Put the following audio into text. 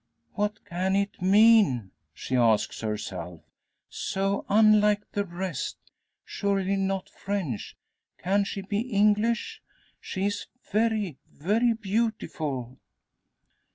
"What can it mean?" she asks herself. "So unlike the rest! Surely not French! Can she be English? She is very very beautiful!"